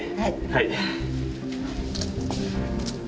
はい。